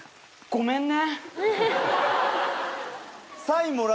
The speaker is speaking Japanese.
ごめんね！